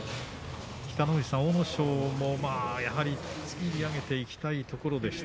北の富士さん、阿武咲も突き上げていきたいところでした。